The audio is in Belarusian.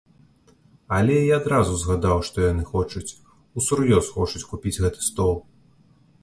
Але я адразу згадаў, што яны хочуць, усур'ёз хочуць купіць гэты стол.